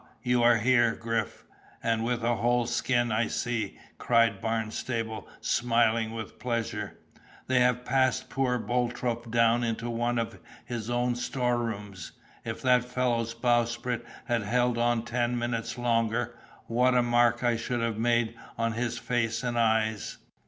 you are there, Griff, and with a whole skin, I see," cried Barnstable, smiling with pleasure; "they have passed poor Boltrope down into one of his own store rooms! If that fellow's bowsprit had held on ten minutes longer, what a mark I should have made on his face and eyes!"